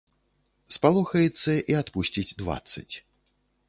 Спалохаецца і адпусціць дваццаць.